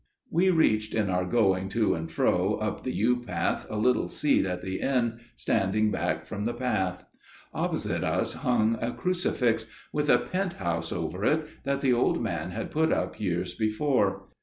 We reached in our going to and fro up the yew path a little seat at the end standing back from the path. Opposite us hung a crucifix, with a pent house over it, that the old man had put up years before.